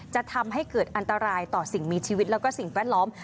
จะทำให้เกิดอันตรายต่อสิ่งมีชีวิตแล้วก็สิ่งแวดล้อม